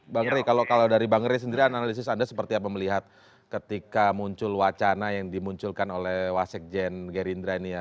bang rey kalau dari bang rey sendiri analisis anda seperti apa melihat ketika muncul wacana yang dimunculkan oleh wasekjen gerindra ini ya